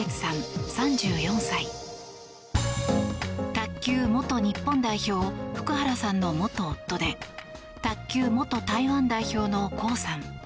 卓球元日本代表福原さんの元夫で卓球元台湾代表のコウさん。